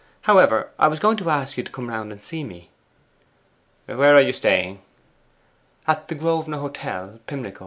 However, I was going to ask you to come round and see me.' 'Where are you staying?' 'At the Grosvenor Hotel, Pimlico.